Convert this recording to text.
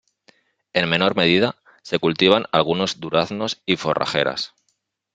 En menor medida, se cultivan algunos duraznos y forrajeras.